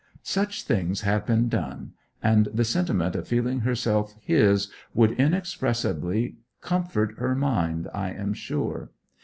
Such things have been done, and the sentiment of feeling herself his would inexpressibly comfort her mind, I am sure.